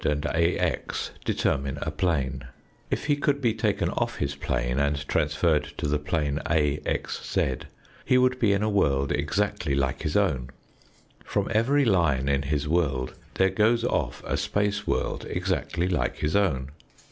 Fig. 6. The lines AZ and AX determine a plane. If he could be taken off his plane, and trans ferred to the plane AXZ, he would be in a world exactly like his own. From every line in his world there goes off a space world exactly like his own.